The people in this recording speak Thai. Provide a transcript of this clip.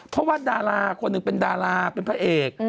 เพราะว่าดาราคนหนึ่งเป็นดาราเป็นพระเอก